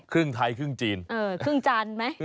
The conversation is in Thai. ครึ่งไทยครึ่งจีนครึ่งจานไหม